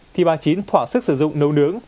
thì bà chín thỏa sức sử dụng nấu nướng